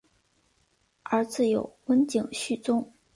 儿子有温井续宗。